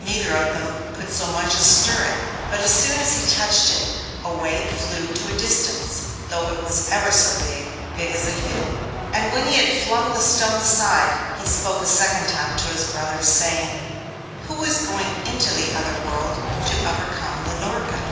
Neither of them could so much as stir it, but as soon as he touched it, away it flew to a distance, though it was ever so big—big as a hill. And when he had flung the stone aside, he spoke a second time to his brothers, saying: 'Who is going into the other world, to overcome the Norka?